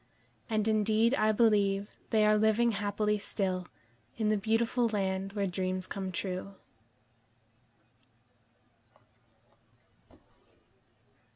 And indeed I believe they are living happily still, in the beautiful land where dreams come true.